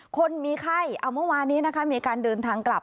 คนมีไข้เอาเมื่อวานนี้นะคะมีการเดินทางกลับ